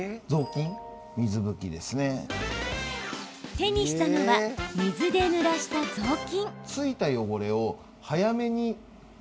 手にしたのは、水でぬらした雑巾。